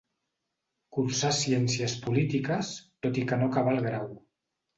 Cursà ciències polítiques, tot i que no acabà el grau.